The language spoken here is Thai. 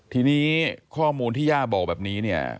ทีนี้ข้อมูลที่ย่าบอกแบบนี้เนี่ย